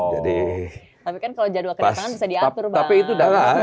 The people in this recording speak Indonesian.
tapi kan kalau jadwal kedatangan bisa diatur bang